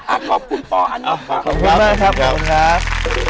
อ่ะขอบคุณต่อขอบคุณมากค่ะมาให้จัดความดันของคุณครับสวัสดีครับ